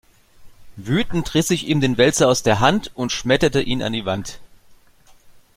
Wütend riss ich ihm den Wälzer aus der Hand und schmetterte ihn an die Wand.